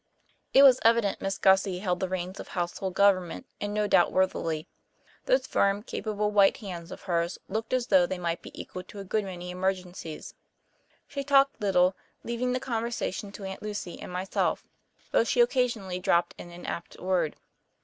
It was evident Miss Gussie held the reins of household government, and no doubt worthily. Those firm, capable white hands of hers looked as though they might be equal to a good many emergencies. She talked little, leaving the conversation to Aunt Lucy and myself, though she occasionally dropped in an apt word.